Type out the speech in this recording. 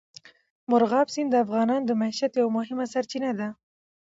مورغاب سیند د افغانانو د معیشت یوه مهمه سرچینه ده.